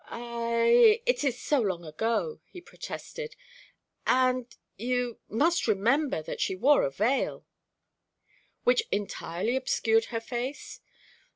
"I it is so long ago," he protested, "and you must remember that she wore a veil." "Which entirely obscured her face?"